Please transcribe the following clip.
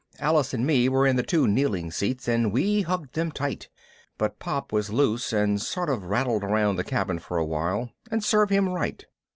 Alice and me was in the two kneeling seats and we hugged them tight, but Pop was loose and sort of rattled around the cabin for a while and serve him right!